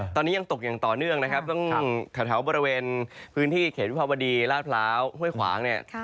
ตอนนี้ยังตกอย่างต่อเนื่องนะครับต้องแถวบริเวณพื้นที่เขตวิภาวดีราชพร้าวห้วยขวางเนี่ย